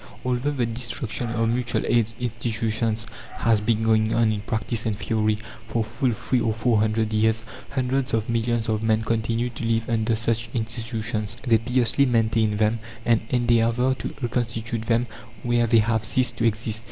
Although the destruction of mutual aid institutions has been going on in practice and theory, for full three or four hundred years, hundreds of millions of men continue to live under such institutions; they piously maintain them and endeavour to reconstitute them where they have ceased to exist.